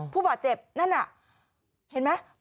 ผู้บาดเจ็บนั่นน่ะเห็นไหม